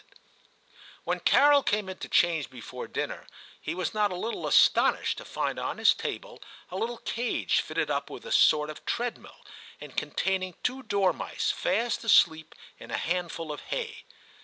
V TIM 107 When Carol came in to change before dinner, he was not a little astonished to find on his table a little cage fitted up with a sort of treadmill, and containing two dormice fast asleep in a handful of hay.